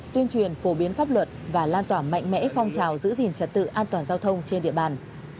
tuyên truyền phổ biến pháp luật và lan tỏa mạnh mẽ phong trào giữ gìn trật tự an toàn giao thông trên địa bàn